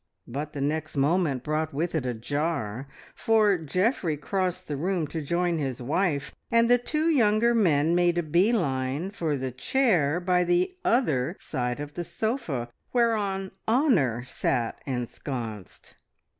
But the next moment brought with it a jar, for Geoffrey crossed the room to join his wife, and the two younger men made a bee line for the chair by the other side of the sofa, whereon Honor sat ensconced!